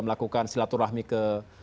melakukan silaturahmi ke